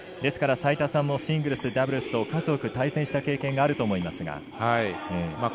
ですから、齋田さんもシングルス、ダブルスと数多く対戦した経験があると思いますが。